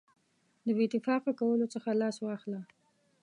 د بې اتفاقه کولو څخه لاس واخله.